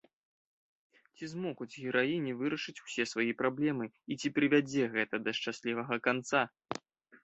Ці змогуць гераіні вырашыць усе свае праблемы і ці прывядзе гэта да шчаслівага канца?